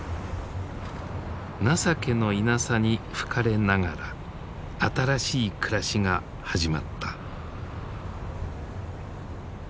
情けのイナサに吹かれながら新しい暮らしが始まった。